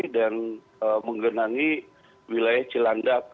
dan menggenangi wilayah cilandak